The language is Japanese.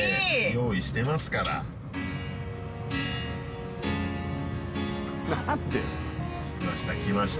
用意してますからきましたきました